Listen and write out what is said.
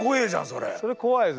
それ怖いですね。